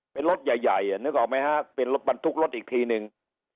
เป็นรถใหญ่นึกออกไหมฮะเป็นรถบรรทุกรถอีกทีนึง